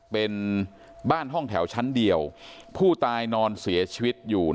เป็นบ้านห้องแถวชั้นเดียวผู้ตายนอนเสียชีวิตอยู่